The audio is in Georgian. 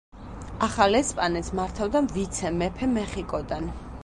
ახალ ესპანეთს მართავდა ვიცე-მეფე მეხიკოდან.